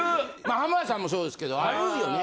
浜田さんもそうですけどあるよね。